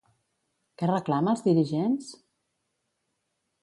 Què reclama als dirigents?